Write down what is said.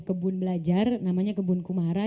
kebun belajar namanya kebun kumara